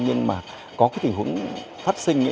nhưng mà có cái tình huống phát sinh